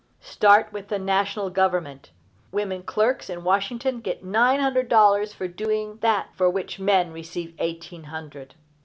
Start with the National Government: women clerks in Washington get nine hundred dollars for doing that for which men receive eighteen hundred.